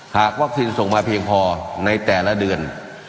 หากวัคซีนส่งมาเพียงพอในแต่ละเดือน